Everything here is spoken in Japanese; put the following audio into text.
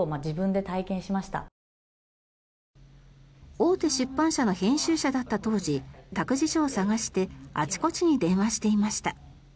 大手出版社の編集者だった当時託児所を探してあちこちに電話していました。